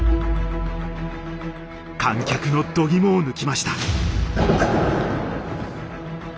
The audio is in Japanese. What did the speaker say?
観客の度肝を抜きました。